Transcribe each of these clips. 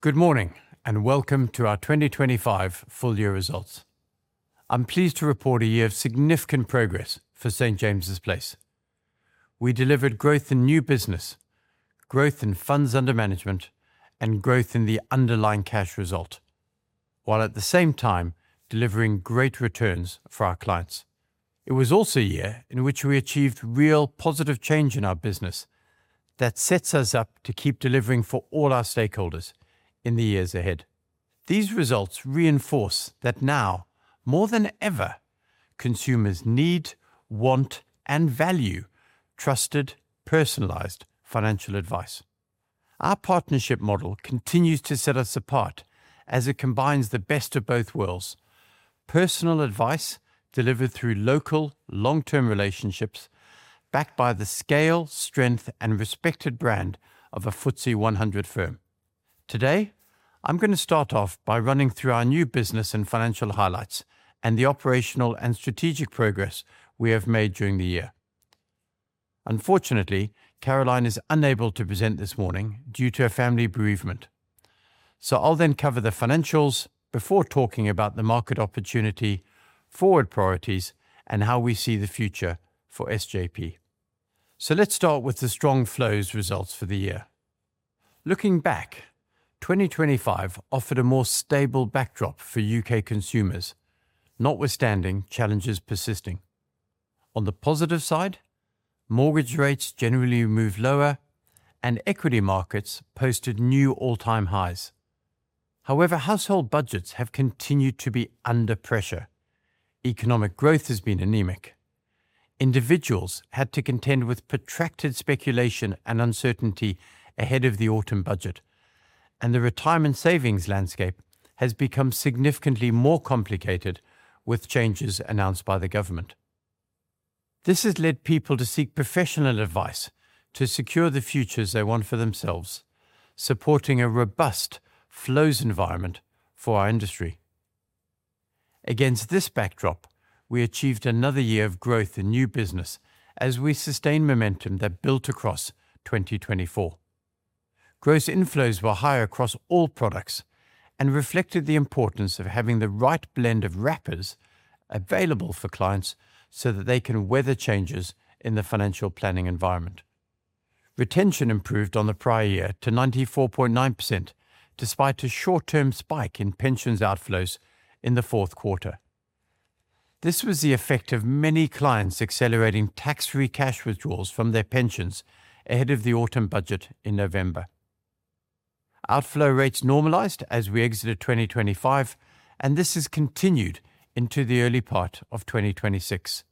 Good morning. Welcome to our 2025 full-year results. I'm pleased to report a year of significant progress for St. James's Place. We delivered growth in new business, growth in funds under management, and growth in the Underlying cash result, while at the same time delivering great returns for our clients. It was also a year in which we achieved real positive change in our business that sets us up to keep delivering for all our stakeholders in the years ahead. These results reinforce that now, more than ever, consumers need, want, and value trusted, personalized financial advice. Our partnership model continues to set us apart as it combines the best of both worlds: personal advice delivered through local, long-term relationships, backed by the scale, strength, and respected brand of a FTSE 100 firm. Today, I'm going to start off by running through our new business and financial highlights and the operational and strategic progress we have made during the year. Unfortunately, Caroline is unable to present this morning due to a family bereavement. I'll then cover the financials before talking about the market opportunity, forward priorities, and how we see the future for SJP. Let's start with the strong flows results for the year. Looking back, 2025 offered a more stable backdrop for U.K. consumers, notwithstanding challenges persisting. On the positive side, mortgage rates generally moved lower, and equity markets posted new all-time highs. However, household budgets have continued to be under pressure. Economic growth has been anemic. Individuals had to contend with protracted speculation and uncertainty ahead of the Autumn Budget, and the retirement savings landscape has become significantly more complicated with changes announced by the government. This has led people to seek professional advice to secure the futures they want for themselves, supporting a robust flows environment for our industry. Against this backdrop, we achieved another year of growth in new business as we sustained momentum that built across 2024. Gross inflows were higher across all products and reflected the importance of having the right blend of wrappers available for clients so that they can weather changes in the financial planning environment. Retention improved on the prior year to 94.9%, despite a short-term spike in pensions outflows in the fourth quarter. This was the effect of many clients accelerating tax-free cash withdrawals from their pensions ahead of the Autumn Budget in November. Outflow rates normalized as we exited 2025, and this has continued into the early part of 2026.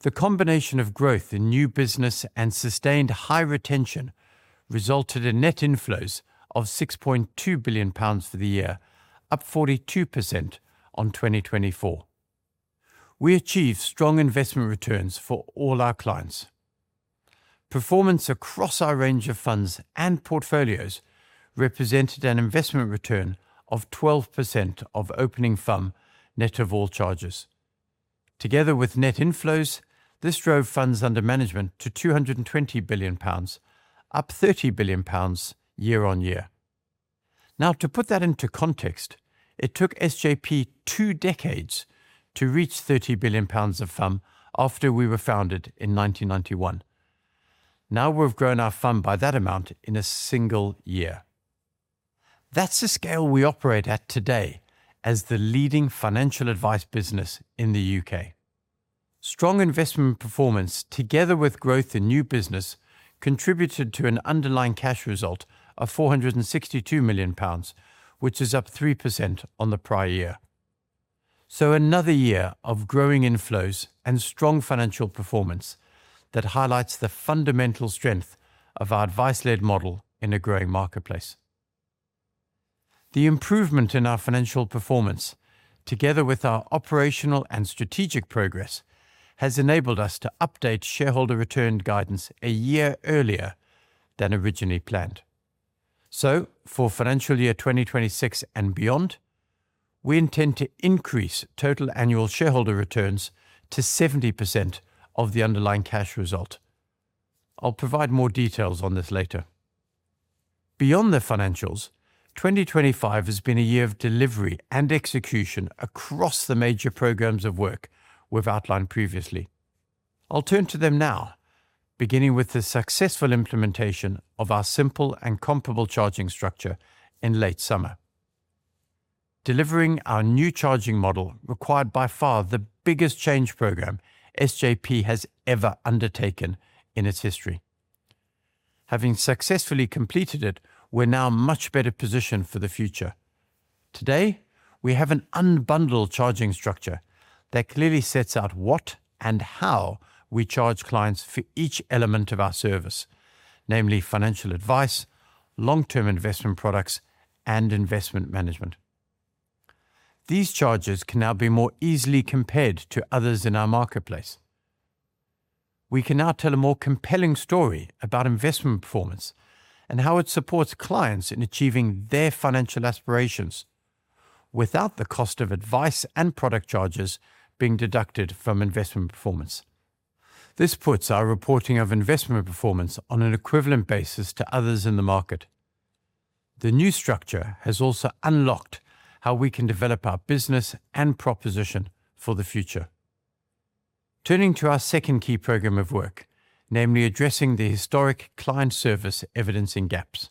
The combination of growth in new business and sustained high retention resulted in net inflows of 6.2 billion pounds for the year, up 42% on 2024. We achieved strong investment returns for all our clients. Performance across our range of funds and portfolios represented an investment return of 12% of opening FUM, net of all charges. Together with net inflows, this drove funds under management to 220 billion pounds, up 30 billion pounds year-on-year. Now, to put that into context, it took SJP 2 decades to reach 30 billion pounds of FUM after we were founded in 1991. Now, we've grown our FUM by that amount in a single year. That's the scale we operate at today as the leading financial advice business in the UK. Strong investment performance, together with growth in new business, contributed to an Underlying cash result of 462 million pounds, which is up 3% on the prior year. Another year of growing inflows and strong financial performance that highlights the fundamental strength of our advice-led model in a growing marketplace. The improvement in our financial performance, together with our operational and strategic progress, has enabled us to update shareholder return guidance a year earlier than originally planned. For financial year 2026 and beyond, we intend to increase total annual shareholder returns to 70% of the Underlying cash result. I'll provide more details on this later. Beyond the financials, 2025 has been a year of delivery and execution across the major programs of work we've outlined previously. I'll turn to them now, beginning with the successful implementation of our simple and comparable charging structure in late summer. Delivering our new charging model required by far the biggest change program SJP has ever undertaken in its history. Having successfully completed it, we're now much better positioned for the future. Today, we have an unbundled charging structure that clearly sets out what and how we charge clients for each element of our service, namely financial advice, long-term investment products, and investment management. These charges can now be more easily compared to others in our marketplace. We can now tell a more compelling story about investment performance and how it supports clients in achieving their financial aspirations, without the cost of advice and product charges being deducted from investment performance. This puts our reporting of investment performance on an equivalent basis to others in the market. The new structure has also unlocked how we can develop our business and proposition for the future. Turning to our second key program of work, namely addressing the historic client service evidencing gaps.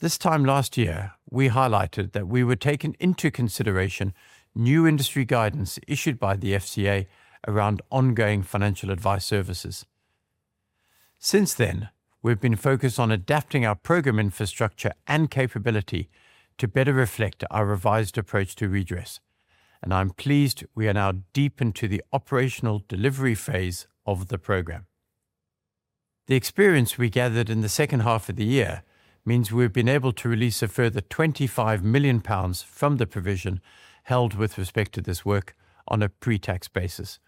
This time last year, we highlighted that we were taking into consideration new industry guidance issued by the FCA around ongoing financial advice services. Since then, we've been focused on adapting our program infrastructure and capability to better reflect our revised approach to redress. I'm pleased we are now deep into the operational delivery phase of the program. The experience we gathered in the second half of the year means we've been able to release a further 25 million pounds from the provision held with respect to this work on a pre-tax basis.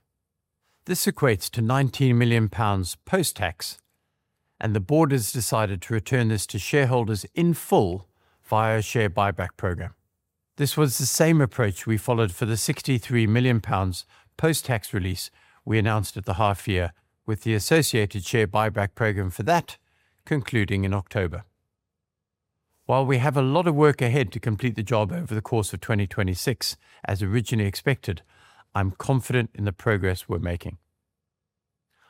This equates to 19 million pounds post-tax. The board has decided to return this to shareholders in full via a share buyback program. This was the same approach we followed for the 63 million pounds post-tax release we announced at the half year, with the associated share buyback program for that concluding in October. While we have a lot of work ahead to complete the job over the course of 2026, as originally expected, I'm confident in the progress we're making.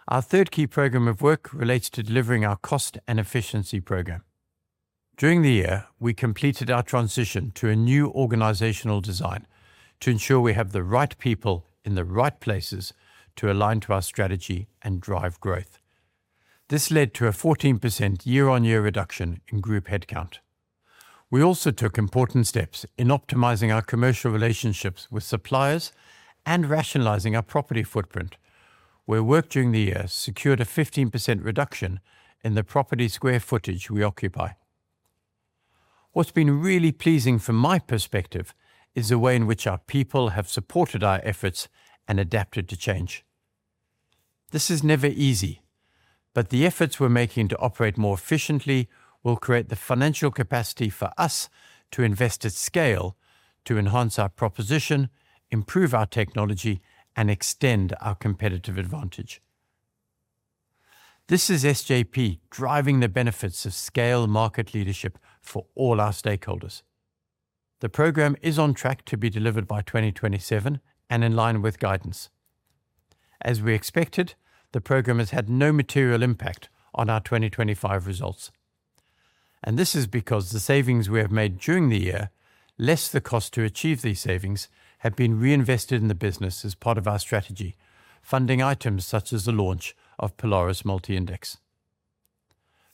Our third key program of work relates to delivering our cost and efficiency program. During the year, we completed our transition to a new organizational design to ensure we have the right people in the right places to align to our strategy and drive growth. This led to a 14% year-on-year reduction in group headcount. We also took important steps in optimizing our commercial relationships with suppliers and rationalizing our property footprint, where work during the year secured a 15% reduction in the property square footage we occupy. What's been really pleasing from my perspective is the way in which our people have supported our efforts and adapted to change. This is never easy. The efforts we're making to operate more efficiently will create the financial capacity for us to invest at scale, to enhance our proposition, improve our technology, and extend our competitive advantage. This is SJP driving the benefits of scale market leadership for all our stakeholders. The program is on track to be delivered by 2027 and in line with guidance. As we expected, the program has had no material impact on our 2025 results, and this is because the savings we have made during the year, less the cost to achieve these savings, have been reinvested in the business as part of our strategy, funding items such as the launch of Polaris Multi-Index.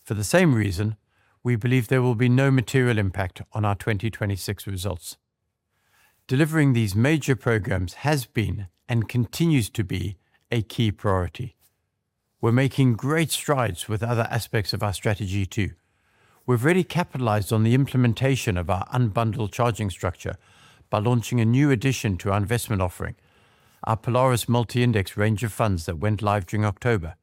For the same reason, we believe there will be no material impact on our 2026 results. Delivering these major programs has been, and continues to be, a key priority. We're making great strides with other aspects of our strategy, too. We've really capitalized on the implementation of our unbundled charging structure by launching a new addition to our investment offering, our Polaris Multi-Index range of funds that went live during October.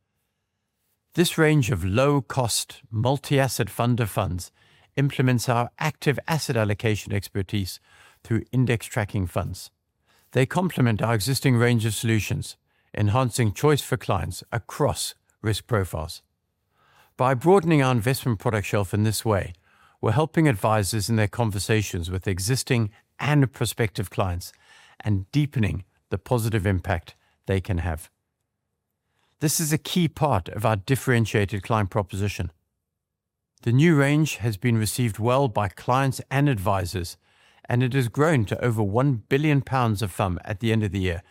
This range of low-cost, multi-asset fund of funds implements our active asset allocation expertise through index tracking funds. They complement our existing range of solutions, enhancing choice for clients across risk profiles. By broadening our investment product shelf in this way, we're helping advisors in their conversations with existing and prospective clients and deepening the positive impact they can have. This is a key part of our differentiated client proposition. The new range has been received well by clients and advisors, and it has grown to over 1 billion pounds of AUM at the end of the year,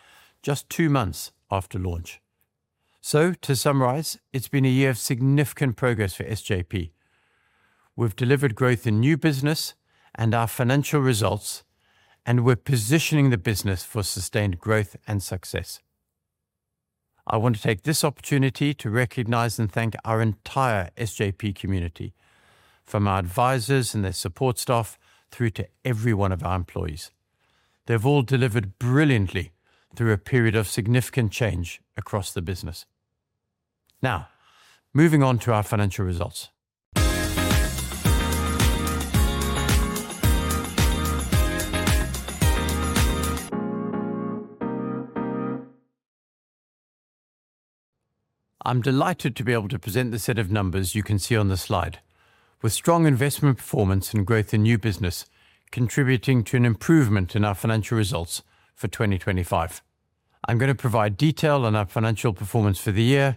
just 2 months after launch. To summarize, it's been a year of significant progress for SJP. We've delivered growth in new business and our financial results, and we're positioning the business for sustained growth and success. I want to take this opportunity to recognize and thank our entire SJP community, from our advisors and their support staff, through to every one of our employees. They've all delivered brilliantly through a period of significant change across the business. Moving on to our financial results. I'm delighted to be able to present the set of numbers you can see on the slide, with strong investment performance and growth in new business, contributing to an improvement in our financial results for 2025. I'm going to provide detail on our financial performance for the year,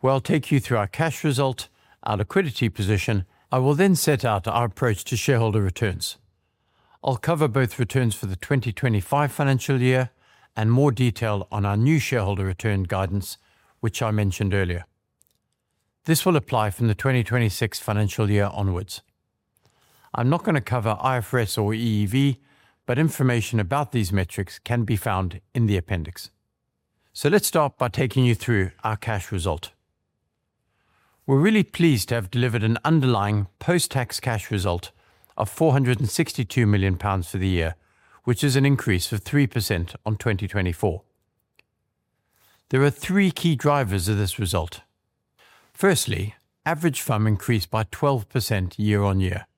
where I'll take you through our cash result, our liquidity position. I will set out our approach to shareholder returns. I'll cover both returns for the 2025 financial year and more detail on our new shareholder return guidance, which I mentioned earlier. This will apply from the 2026 financial year onwards. I'm not going to cover IFRS or EEV, but information about these metrics can be found in the appendix. let's start by taking you through our cash result. We're really pleased to have delivered an Underlying post-tax cash result of 462 million pounds for the year, which is an increase of 3% on 2024. There are 3 key drivers of this result. Firstly, average FUM increased by 12% year-on-year.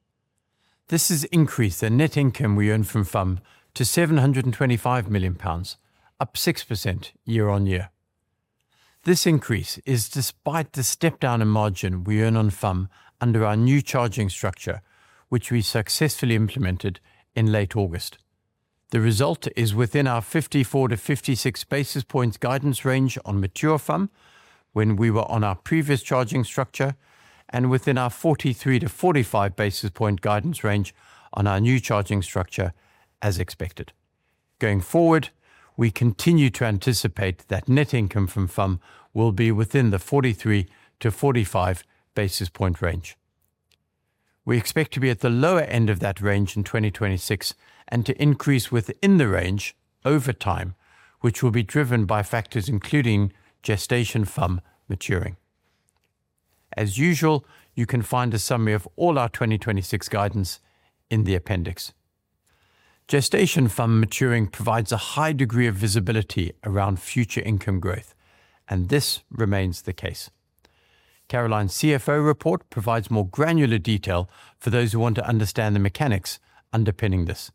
This has increased the net income we earn from FUM to 725 million pounds, up 6% year-on-year. This increase is despite the step down in margin we earn on FUM under our new charging structure, which we successfully implemented in late August. The result is within our 54-56 basis points guidance range on mature FUM when we were on our previous charging structure and within our 43-45 basis points guidance range on our new charging structure as expected. Going forward, we continue to anticipate that net income from FUM will be within the 43-45 basis point range. We expect to be at the lower end of that range in 2026 and to increase within the range over time, which will be driven by factors including gestation FUM maturing. As usual, you can find a summary of all our 2026 guidance in the appendix. Gestation FUM maturing provides a high degree of visibility around future income growth, and this remains the case. Caroline's CFO report provides more granular detail for those who want to understand the mechanics underpinning this.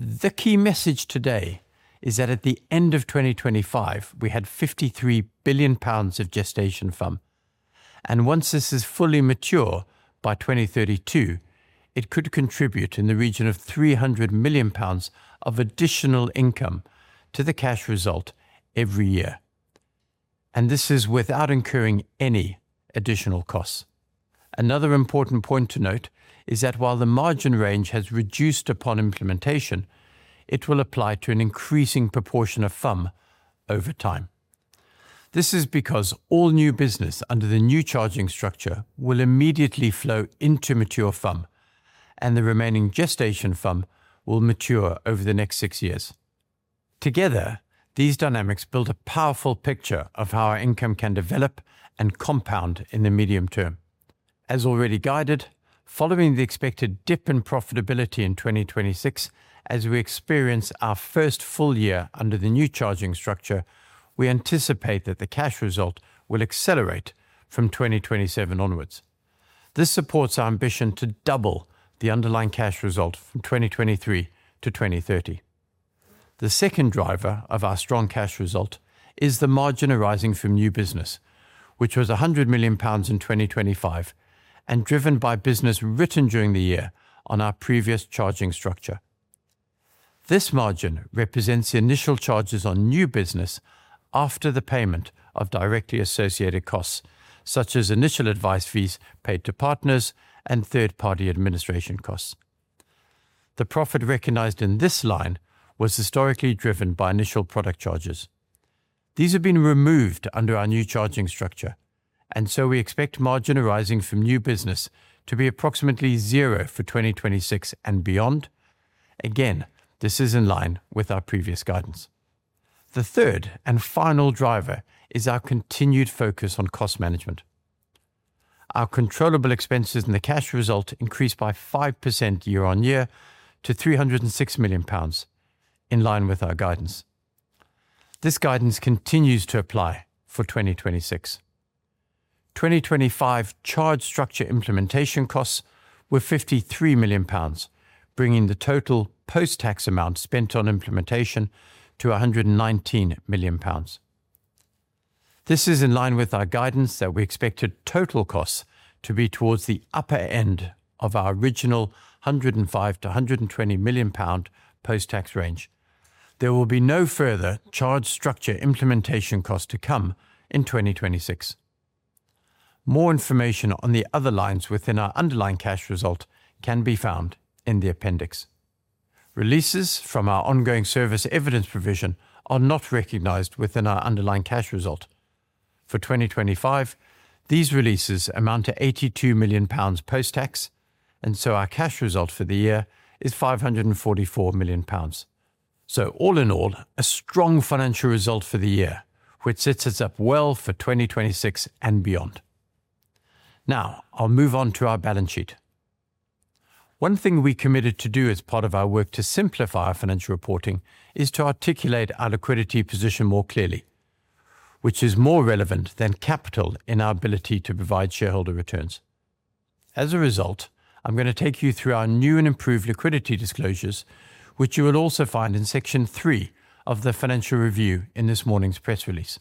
The key message today is that at the end of 2025, we had 53 billion pounds of gestation FUM, and once this is fully mature by 2032, it could contribute in the region of 300 million pounds of additional income to the cash result every year. This is without incurring any additional costs. Another important point to note is that while the margin range has reduced upon implementation, it will apply to an increasing proportion of FUM over time. This is because all new business under the new charging structure will immediately flow into mature FUM, and the remaining gestation FUM will mature over the next six years. Together, these dynamics build a powerful picture of how our income can develop and compound in the medium term. As already guided, following the expected dip in profitability in 2026, as we experience our first full year under the new charging structure, we anticipate that the cash result will accelerate from 2027 onwards. This supports our ambition to double the Underlying cash result from 2023 to 2030. The second driver of our strong cash result is the margin arising from new business, which was 100 million pounds in 2025 and driven by business written during the year on our previous charging structure. This margin represents the initial charges on new business after the payment of directly associated costs, such as initial advice fees paid to partners and third-party administration costs. The profit recognized in this line was historically driven by initial product charges. These have been removed under our new charging structure. We expect margin arising from new business to be approximately zero for 2026 and beyond. Again, this is in line with our previous guidance. The third and final driver is our continued focus on cost management. Our controllable expenses and the cash result increased by 5% year-on-year to 306 million pounds, in line with our guidance. This guidance continues to apply for 2026. 2025 charge structure implementation costs were 53 million pounds, bringing the total post-tax amount spent on implementation to 119 million pounds. This is in line with our guidance that we expected total costs to be towards the upper end of our original 105 million-120 million pound post-tax range. There will be no further charge structure implementation cost to come in 2026. More information on the other lines within our Underlying cash result can be found in the appendix. Releases from our Ongoing Service Evidence provision are not recognized within our Underlying cash result. For 2025, these releases amount to 82 million pounds post-tax, our cash result for the year is 544 million pounds. All in all, a strong financial result for the year, which sets us up well for 2026 and beyond. Now, I'll move on to our balance sheet. One thing we committed to do as part of our work to simplify our financial reporting is to articulate our liquidity position more clearly, which is more relevant than capital in our ability to provide shareholder returns. As a result, I'm gonna take you through our new and improved liquidity disclosures, which you will also find in Section 3 of the financial review in this morning's press release.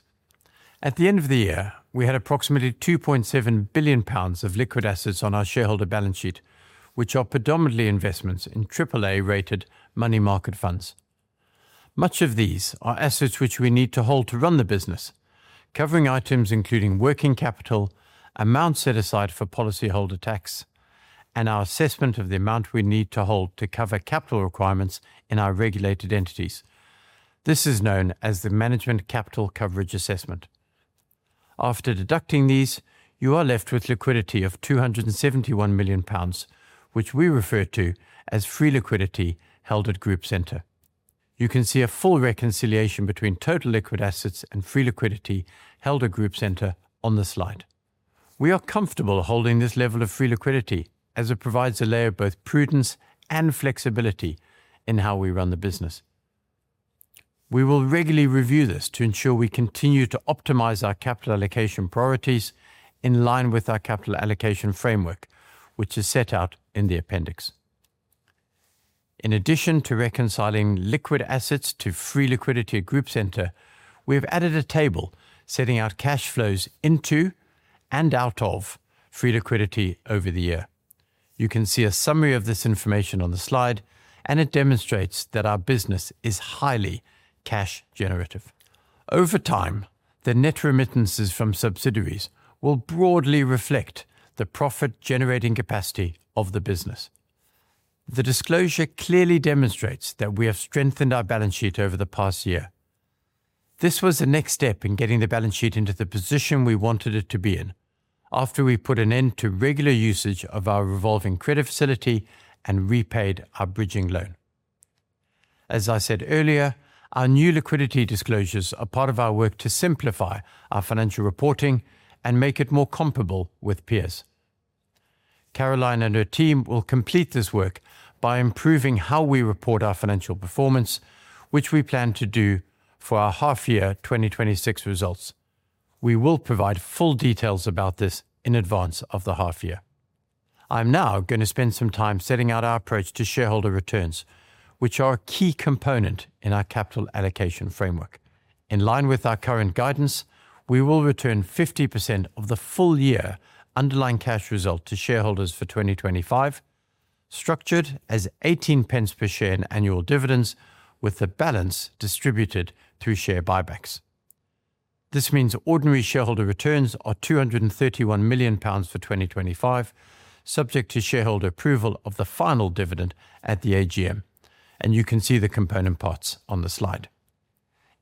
At the end of the year, we had approximately 2.7 billion pounds of liquid assets on our shareholder balance sheet, which are predominantly investments in AAA-rated money market funds. Much of these are assets which we need to hold to run the business, covering items including working capital, amounts set aside for policyholder tax, and our assessment of the amount we need to hold to cover capital requirements in our regulated entities. This is known as the management capital coverage assessment. After deducting these, you are left with liquidity of 271 million pounds, which we refer to as free liquidity held at Group Centre. You can see a full reconciliation between total liquid assets and free liquidity held at Group Centre on the slide. We are comfortable holding this level of free liquidity, as it provides a layer of both prudence and flexibility in how we run the business. We will regularly review this to ensure we continue to optimize our capital allocation priorities in line with our capital allocation framework, which is set out in the appendix. In addition to reconciling liquid assets to free liquidity at Group Centre, we've added a table setting out cash flows into and out of free liquidity over the year. You can see a summary of this information on the slide. It demonstrates that our business is highly cash generative. Over time, the net remittances from subsidiaries will broadly reflect the profit-generating capacity of the business. The disclosure clearly demonstrates that we have strengthened our balance sheet over the past year. This was the next step in getting the balance sheet into the position we wanted it to be in after we put an end to regular usage of our revolving credit facility and repaid our bridging loan. As I said earlier, our new liquidity disclosures are part of our work to simplify our financial reporting and make it more comparable with peers. Caroline and her team will complete this work by improving how we report our financial performance, which we plan to do for our half year 2026 results. We will provide full details about this in advance of the half year. I'm now gonna spend some time setting out our approach to shareholder returns, which are a key component in our capital allocation framework. In line with our current guidance, we will return 50% of the full year Underlying cash result to shareholders for 2025, structured as 18 pence per share in annual dividends, with the balance distributed through share buybacks. This means ordinary shareholder returns are 231 million pounds for 2025, subject to shareholder approval of the final dividend at the AGM, you can see the component parts on the slide.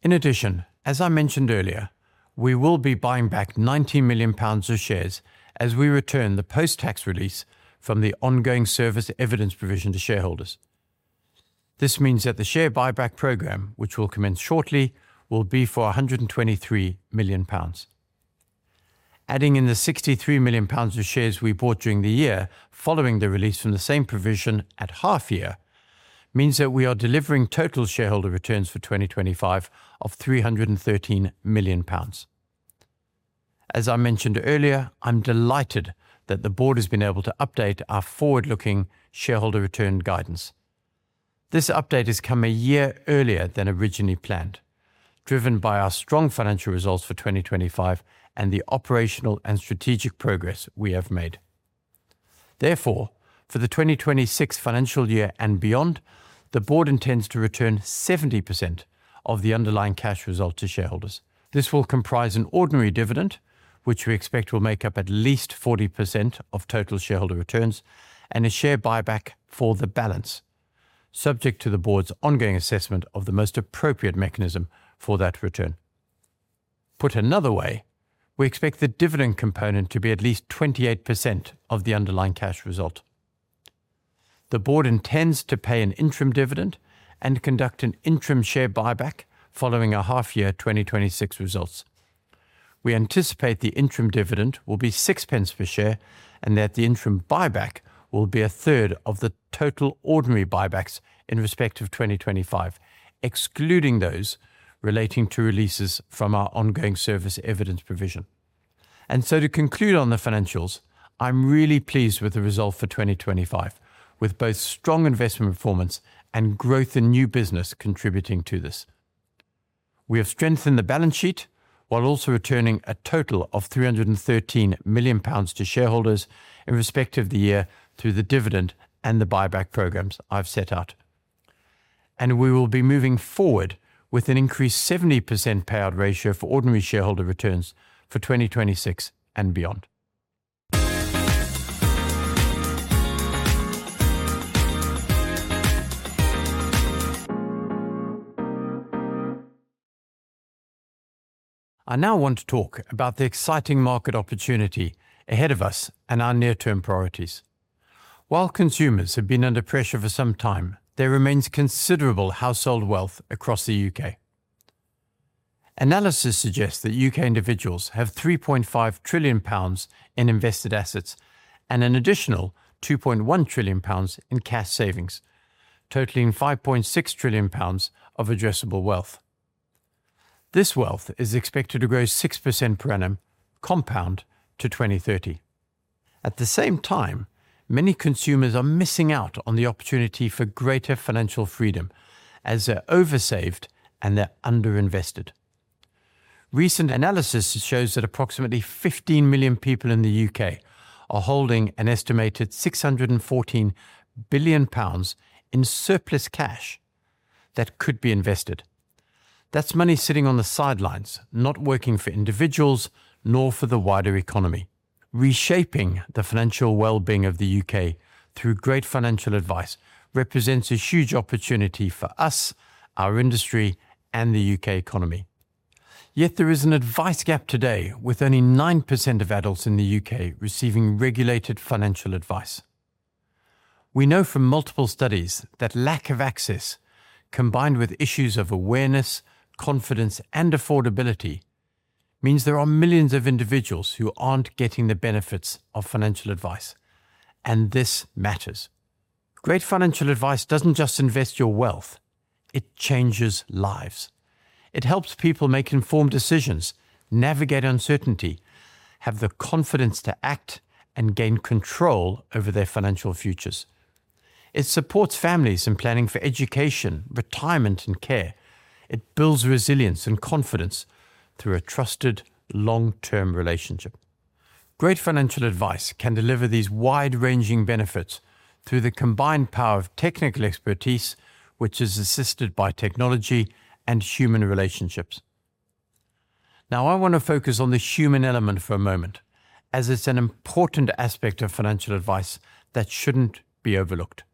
In addition, as I mentioned earlier, we will be buying back 90 million pounds of shares as we return the post-tax release from the Ongoing Service Evidence provision to shareholders. This means that the share buyback program, which will commence shortly, will be for 123 million pounds. Adding in the 63 million pounds of shares we bought during the year, following the release from the same provision at half year, means that we are delivering total shareholder returns for 2025 of 313 million pounds. As I mentioned earlier, I'm delighted that the board has been able to update our forward-looking shareholder return guidance. This update has come a year earlier than originally planned, driven by our strong financial results for 2025 and the operational and strategic progress we have made. For the 2026 financial year and beyond, the board intends to return 70% of the Underlying cash result to shareholders. This will comprise an ordinary dividend, which we expect will make up at least 40% of total shareholder returns, and a share buyback for the balance, subject to the board's ongoing assessment of the most appropriate mechanism for that return. Put another way, we expect the dividend component to be at least 28% of the Underlying cash result. The board intends to pay an interim dividend and conduct an interim share buyback following our half year 2026 results. We anticipate the interim dividend will be 6 pence per share and that the interim buyback will be a third of the total ordinary buybacks in respect of 2025, excluding those relating to releases from our Ongoing Service Evidence provision. To conclude on the financials, I'm really pleased with the result for 2025, with both strong investment performance and growth in new business contributing to this. We have strengthened the balance sheet while also returning a total of 313 million pounds to shareholders in respect of the year through the dividend and the buyback programs I've set out. We will be moving forward with an increased 70% payout ratio for ordinary shareholder returns for 2026 and beyond. I now want to talk about the exciting market opportunity ahead of us and our near-term priorities. Consumers have been under pressure for some time, there remains considerable household wealth across the UK. Analysis suggests that U.K. individuals have 3.5 trillion pounds in invested assets and an additional 2.1 trillion pounds in cash savings, totaling 5.6 trillion pounds of addressable wealth. This wealth is expected to grow 6% per annum, compound to 2030. At the same time, many consumers are missing out on the opportunity for greater financial freedom, as they're over-saved and they're under-invested. Recent analysis shows that approximately 15 million people in the U.K. are holding an estimated 614 billion pounds in surplus cash that could be invested. That's money sitting on the sidelines, not working for individuals, nor for the wider economy. Reshaping the financial well-being of the U.K. through great financial advice represents a huge opportunity for us, our industry, and the U.K. economy. Yet there is an advice gap today, with only 9% of adults in the U.K. receiving regulated financial advice. We know from multiple studies that lack of access, combined with issues of awareness, confidence, and affordability, means there are millions of individuals who aren't getting the benefits of financial advice, and this matters. Great financial advice doesn't just invest your wealth, it changes lives. It helps people make informed decisions, navigate uncertainty, have the confidence to act, and gain control over their financial futures. It supports families in planning for education, retirement, and care. It builds resilience and confidence through a trusted, long-term relationship. Great financial advice can deliver these wide-ranging benefits through the combined power of technical expertise, which is assisted by technology and human relationships. I want to focus on the human element for a moment, as it's an important aspect of financial advice that shouldn't be overlooked.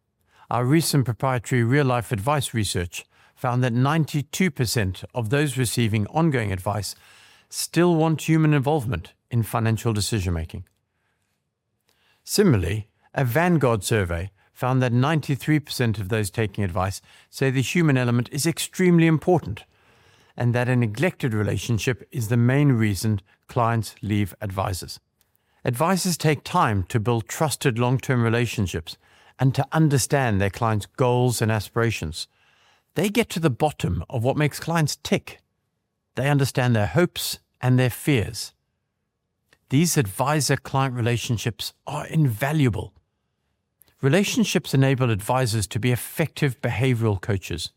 Our recent proprietary Real Life Advice research found that 92% of those receiving ongoing advice still want human involvement in financial decision-making. Similarly, a Vanguard survey found that 93% of those taking advice say the human element is extremely important, and that a neglected relationship is the main reason clients leave advisors. Advisors take time to build trusted long-term relationships and to understand their clients' goals and aspirations. They get to the bottom of what makes clients tick. They understand their hopes and their fears. These advisor-client relationships are invaluable. Relationships enable advisors to be effective behavioral coaches,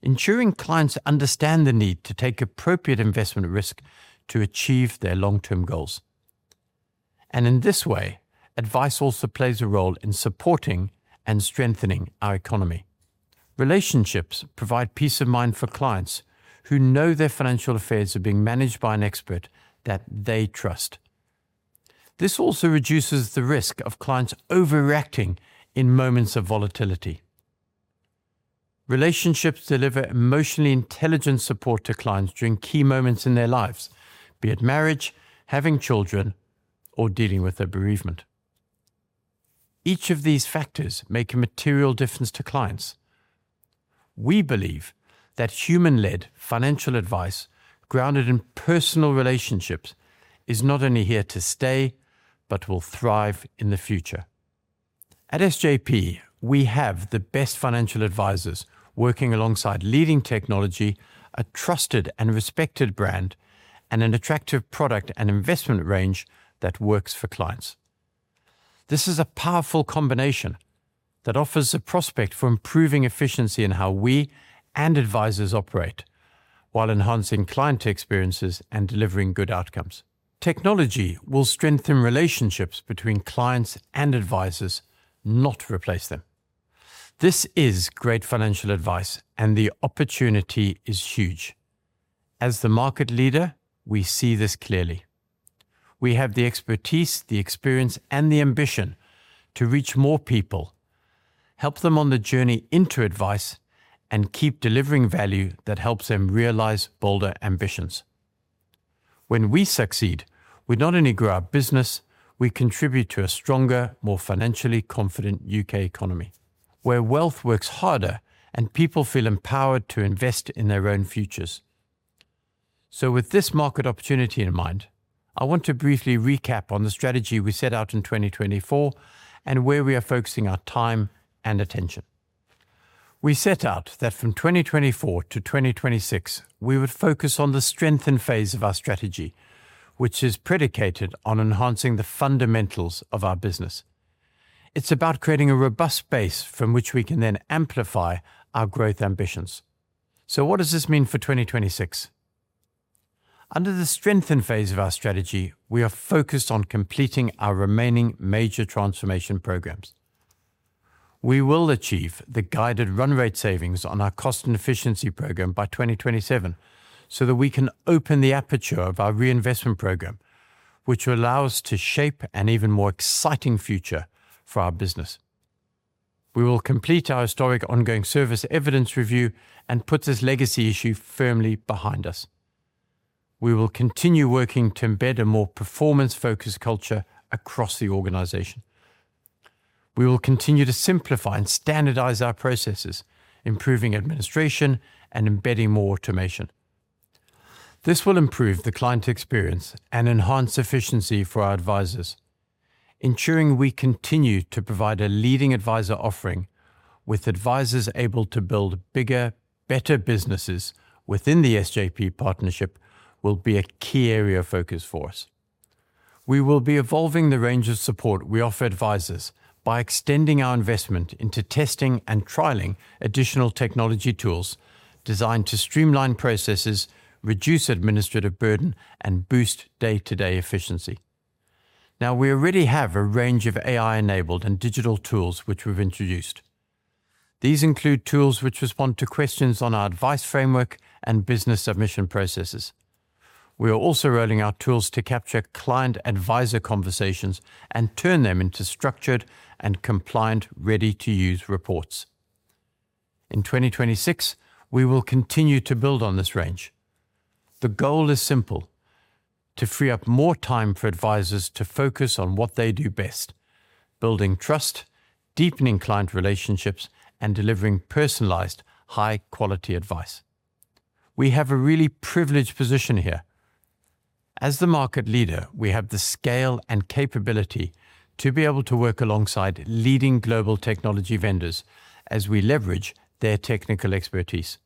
ensuring clients understand the need to take appropriate investment risk to achieve their long-term goals. In this way, advice also plays a role in supporting and strengthening our economy. Relationships provide peace of mind for clients who know their financial affairs are being managed by an expert that they trust. This also reduces the risk of clients overreacting in moments of volatility. Relationships deliver emotionally intelligent support to clients during key moments in their lives, be it marriage, having children, or dealing with a bereavement. Each of these factors make a material difference to clients. We believe that human-led financial advice, grounded in personal relationships, is not only here to stay, but will thrive in the future. At SJP, we have the best financial advisors working alongside leading technology, a trusted and respected brand, and an attractive product and investment range that works for clients. This is a powerful combination that offers a prospect for improving efficiency in how we and advisors operate while enhancing client experiences and delivering good outcomes. Technology will strengthen relationships between clients and advisors, not replace them. This is great financial advice, and the opportunity is huge. As the market leader, we see this clearly. We have the expertise, the experience, and the ambition to reach more people, help them on the journey into advice, and keep delivering value that helps them realize bolder ambitions. When we succeed, we not only grow our business, we contribute to a stronger, more financially confident U.K. economy, where wealth works harder and people feel empowered to invest in their own futures. With this market opportunity in mind, I want to briefly recap on the strategy we set out in 2024 and where we are focusing our time and attention. We set out that from 2024 to 2026, we would focus on the strengthen phase of our strategy, which is predicated on enhancing the fundamentals of our business. It's about creating a robust base from which we can then amplify our growth ambitions. What does this mean for 2026? Under the strengthen phase of our strategy, we are focused on completing our remaining major transformation programs. We will achieve the guided run rate savings on our cost and efficiency program by 2027, so that we can open the aperture of our reinvestment program, which will allow us to shape an even more exciting future for our business. We will complete our historic ongoing service evidence review and put this legacy issue firmly behind us. We will continue working to embed a more performance-focused culture across the organization. We will continue to simplify and standardize our processes, improving administration and embedding more automation. This will improve the client experience and enhance efficiency for our advisors. Ensuring we continue to provide a leading advisor offering, with advisors able to build bigger, better businesses within the SJP partnership, will be a key area of focus for us. We will be evolving the range of support we offer advisors by extending our investment into testing and trialing additional technology tools designed to streamline processes, reduce administrative burden, and boost day-to-day efficiency. Now, we already have a range of AI-enabled and digital tools which we've introduced. These include tools which respond to questions on our advice framework and business submission processes. We are also rolling out tools to capture client-advisor conversations and turn them into structured and compliant, ready-to-use reports. In 2026, we will continue to build on this range. The goal is simple: to free up more time for advisors to focus on what they do best, building trust, deepening client relationships, and delivering personalized, high-quality advice. We have a really privileged position here. As the market leader, we have the scale and capability to be able to work alongside leading global technology vendors as we leverage their technical expertise,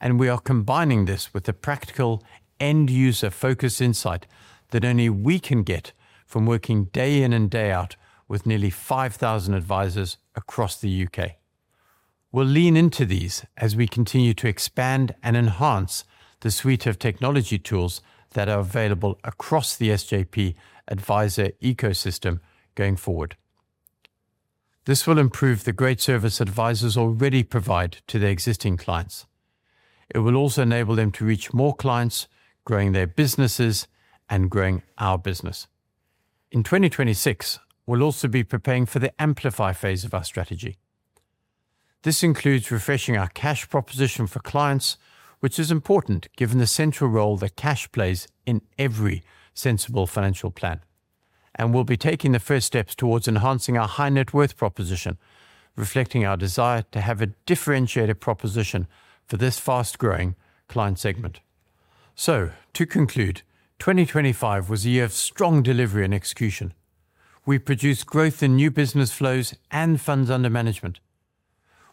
and we are combining this with the practical end-user focus insight that only we can get from working day in and day out with nearly 5,000 advisors across the UK. We'll lean into these as we continue to expand and enhance the suite of technology tools that are available across the SJP advisor ecosystem going forward. This will improve the great service advisors already provide to their existing clients. It will also enable them to reach more clients, growing their businesses and growing our business. In 2026, we'll also be preparing for the amplify phase of our strategy. This includes refreshing our cash proposition for clients, which is important given the central role that cash plays in every sensible financial plan. We'll be taking the first steps towards enhancing our high net worth proposition, reflecting our desire to have a differentiated proposition for this fast-growing client segment. To conclude, 2025 was a year of strong delivery and execution. We produced growth in new business flows and funds under management.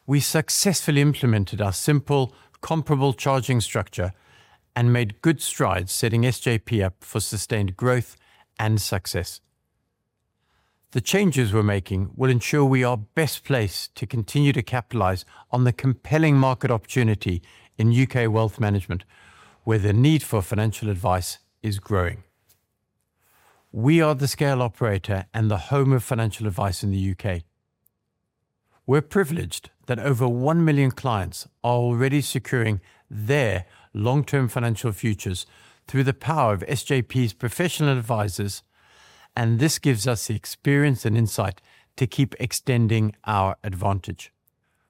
We successfully implemented our simple, comparable charging structure and made good strides, setting SJP up for sustained growth and success. The changes we're making will ensure we are best placed to continue to capitalize on the compelling market opportunity in UK wealth management, where the need for financial advice is growing. We are the scale operator and the home of financial advice in the U.K. We're privileged that over 1 million clients are already securing their long-term financial futures through the power of SJP's professional advisors, and this gives us the experience and insight to keep extending our advantage.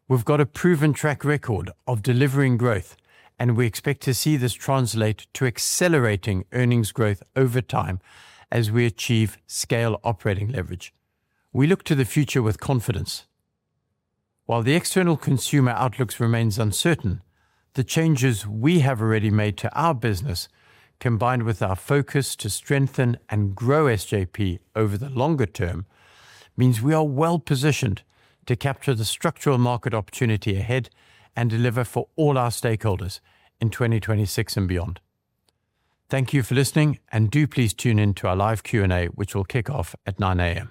We've got a proven track record of delivering growth, and we expect to see this translate to accelerating earnings growth over time as we achieve scale operating leverage. We look to the future with confidence. While the external consumer outlook remains uncertain, the changes we have already made to our business, combined with our focus to strengthen and grow SJP over the longer term, means we are well-positioned to capture the structural market opportunity ahead and deliver for all our stakeholders in 2026 and beyond. Thank you for listening, and do please tune in to our live Q&A, which will kick off at 9 A.M.